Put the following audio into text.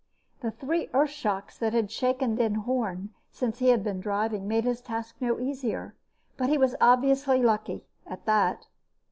The three earthshocks that had shaken Den Hoorn since he had been driving made his task no easier, but he was obviously lucky, at that.